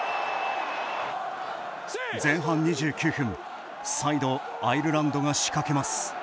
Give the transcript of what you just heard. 前半２９分、再度アイルランドが仕掛けます。